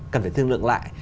cần phải thương lượng lại